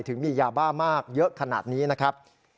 ถึงมียาบ้ามากเยอะขนาดนี้นะครับ